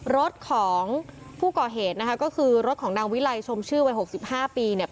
รถของผู้ก่อเหตุนะคะก็คือรถของนางวิลัยชมชื่อวัย๖๕ปีเนี่ย